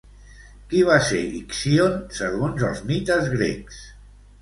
Qui va ser Ixíon segons els mites grecs?